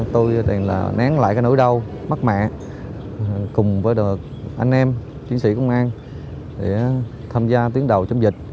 tôi tìm là nén lại cái nỗi đau mắc mẹ cùng với anh em chiến sĩ công an để tham gia tuyến đầu chống dịch